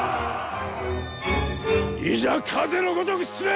いざ風の如く進め！